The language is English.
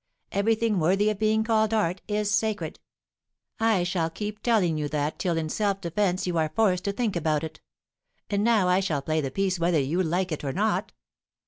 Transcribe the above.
Everything worthy of being called art is sacred. I shall keep telling you that till in self defence you are forced to think about it. And now I shall play the piece whether you like it or not."